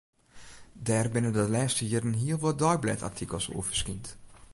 Dêr binne de lêste jierren hiel wat deiblêdartikels oer ferskynd.